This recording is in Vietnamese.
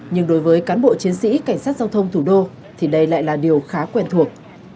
nhưng đối với cán bộ chiến sĩ cảnh sát giao thông thủ đô thì đây lại là điều khá quen thuộc